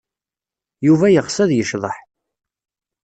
Yuba yeɣs ad yecḍeḥ.